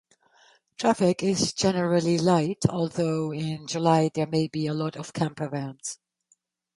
Traffic is generally light, although in July there may be a lot of campervans.